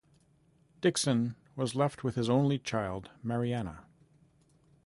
Dixon was left with his only child, Marianna.